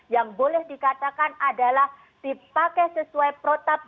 yang boleh dikatakan adalah dipakai sesuai protap